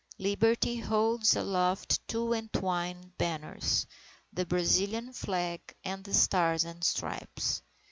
Liberty holds aloft two entwined banners, the Brazilian Flag and the Stars and Stripes.